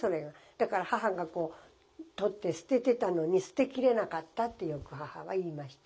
だから母が取って捨ててたのに捨てきれなかったってよく母は言いました。